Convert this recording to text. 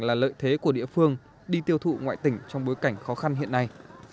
là lợi thế của địa phương đi tiêu thụ ngoại tỉnh trong bối cảnh khó khăn hiện nay